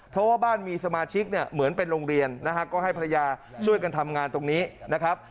เพราะว่าบ้านมีสมาชิกเนี่ยเหมือนเป็นโรงเรียนนะฮะก็ให้ภรรยาช่วยกันทำงานตรงนี้นะครับ